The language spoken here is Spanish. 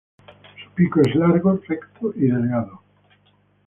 Su pico es largo, recto y delgado.